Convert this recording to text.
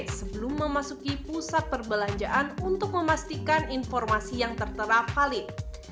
sebelum memasuki pusat perbelanjaan untuk memastikan informasi yang tertera valid